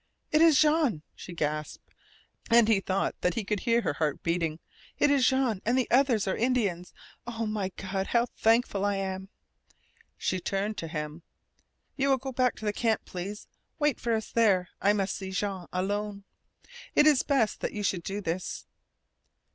"It is Jean," she gasped, and he thought that he could hear her heart beating. "It is Jean and the others are Indians! Oh, my God, how thankful I am " She turned to him. "You will go back to the camp please. Wait for us there, I must see Jean alone. It is best that you should do this."